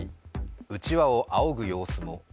うちわをあおぐ様子も。